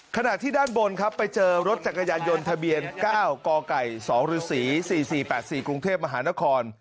ขณะที่ด้านบนครับไปเจอรถจักรยานยนต์ทะเบียน๙กไก่๒ฤษี๔๔๘๔กรุงเทพมหานคร